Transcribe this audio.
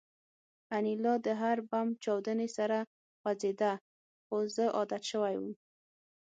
انیلا د هر بم چاودنې سره خوځېده خو زه عادت شوی وم